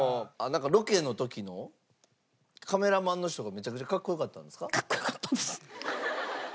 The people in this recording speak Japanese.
なんかロケの時のカメラマンの人がめちゃくちゃ格好良かったんですか？